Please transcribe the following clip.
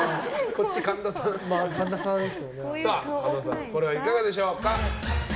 羽田さんこれはいかがでしょうか。